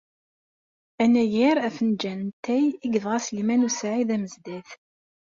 Anagar afenǧal n ttay i yebɣa Sliman u Saɛid Amezdat.